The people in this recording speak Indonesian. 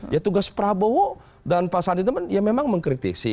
ya tugas prabowo dan pak sandi itu ya memang mengkritisi